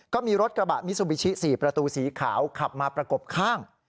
ก็มีรถกระบะมิซูบิชิ๔ประตูสีขาวขับมาประกบข้าง